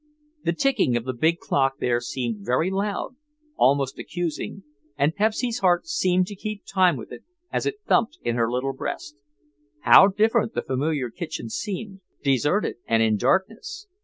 The ticking of the big clock there seemed very loud, almost accusing, and Pepsy's heart seemed to keep time with it as it thumped in her little breast. How different the familiar kitchen seemed, deserted and in darkness!